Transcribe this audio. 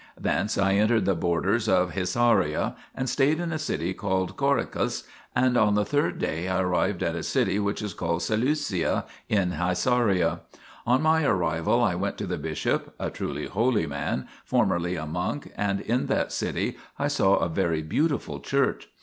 Thence I entered the borders of Hisauria and stayed in a city called Coricus, and on the third day I arrived at a city which is called Seleucia in Hisauria ; 1 on my arrival I went to the bishop, a truly holy man, formerly a monk, and in that city I saw a very beautiful church.